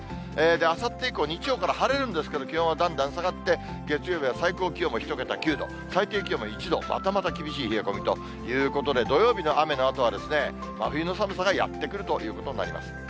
あさって以降、日曜から晴れるんですけど、気温はだんだん下がって、月曜日は最高気温も１桁９度、最低気温も１度、またまた厳しい冷え込みということで、土曜日の雨のあとは真冬の寒さがやって来るということになります。